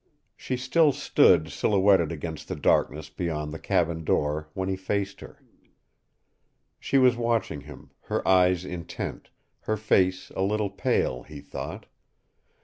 She still stood silhouetted against the darkness beyond the cabin door when he faced her. She was watching him, her eyes intent, her face a little pale, he thought.